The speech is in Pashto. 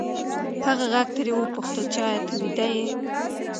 هغه غږ ترې وپوښتل چې ایا ته ویده یې؟